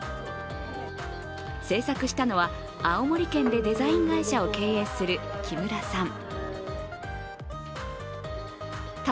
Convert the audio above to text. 製作したのは青森県でデザイン会社を経営する木村さん。